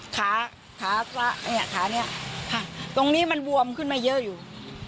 ขาขาเนี่ยขานี้ตรงนี้มันบวมขึ้นมาเยอะอยู่